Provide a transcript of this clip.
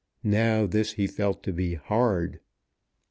Now this he felt to be hard.